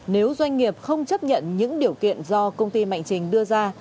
nếu doanh nghiệp không chấp nhận những điều kiện do công ty mạnh trình đưa ra